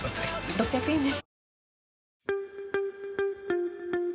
６００円です。